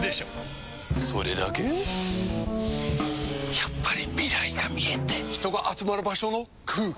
やっぱり未来が見えて人が集まる場所の空気！